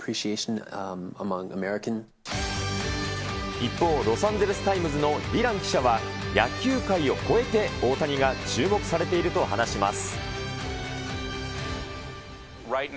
一方、ロサンゼルスタイムズのディラン記者は、野球界を越えて、大谷が注目されていると話します。